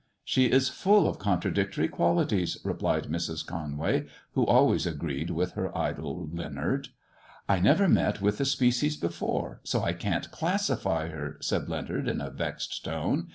She is full of contradictory qualities," replied Mrs. Conway, who always agreed with her idol Leonard. " I never met with the species before, so I can't classify her," said Leonard, in a vexed tone.